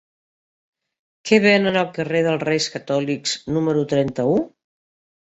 Què venen al carrer dels Reis Catòlics número trenta-u?